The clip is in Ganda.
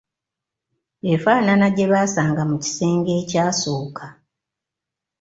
Efaanana gye baasanga mu kisenge ekyasooka.